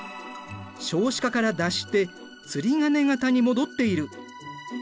少子化から脱して釣鐘型に戻っている。